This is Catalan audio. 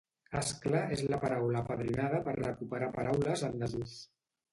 Ascla és la paraula apadrinada per recuperar paraules en desús